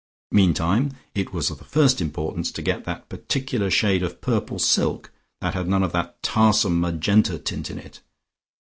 Meantime it was of the first importance to get that particular shade of purple silk that had none of that "tarsome" magenta tint in it.